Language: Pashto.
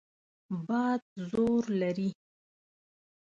باد زور لري.